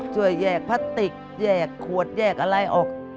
ช่วยแยกพลาสติกแยกขวดแยกอะไรออก